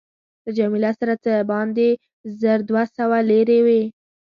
له جميله سره څه باندې زر دوه سوه لیرې وې.